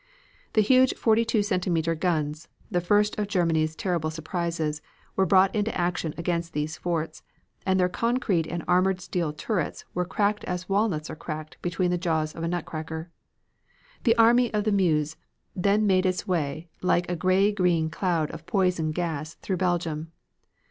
The huge 42 centimeter guns, the first of Germany's terrible surprises, were brought into action against these forts, and their concrete and armored steel turrets were cracked as walnuts are cracked between the jaws of a nut cracker. The Army of the Meuse then made its way like a gray green cloud of poison gas through Belgium.